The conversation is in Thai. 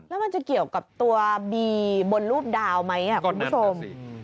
แล้วมันจะเกี่ยวกับตัวบีบนรูปดาวไหมคุณผู้ชม